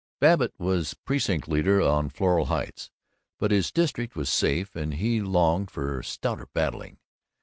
Babbitt was precinct leader on Floral Heights, but his district was safe and he longed for stouter battling.